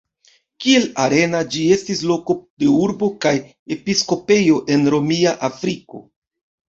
Kiel Arena ĝi estis loko de urbo kaj episkopejo en Romia Afriko.